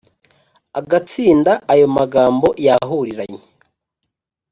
Agatsinda, ayo magambo yahuriranye